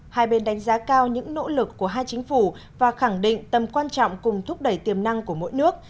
hai bên đánh giá cao những nỗ lực của hai chính phủ và khẳng định tầm quan trọng cùng thúc đẩy tiềm năng của mỗi nước